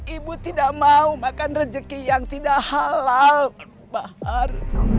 ibu tidak mau makan rejeki yang tidak halal bahar